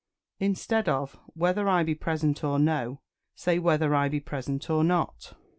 Instead of "Whether I be present or no," say "Whether I be present or not."